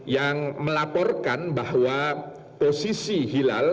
yang melaporkan bahwa posisi hilal